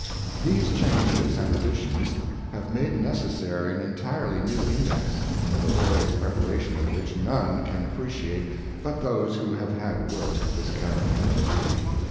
These changes and additions have made necessary an entirely new index, the laborious prepa ration of which none can appreciate but those who have had work of this character to do.